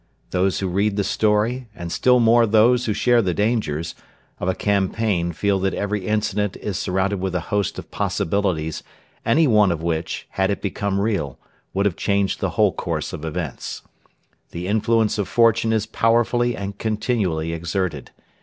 Those who read the story, and still more those who share the dangers, of a campaign feel that every incident is surrounded with a host of possibilities, any one of which, had it become real, would have changed the whole course of events. The influence of Fortune is powerfully and continually exerted.